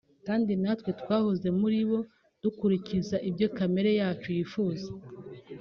Kandi natwe twahoze muri bo dukurikiza ibyo kamere yacu yifuza